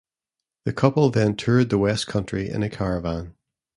The couple then toured the West Country in a caravan.